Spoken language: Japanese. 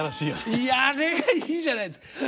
いやあれがいいじゃないですか。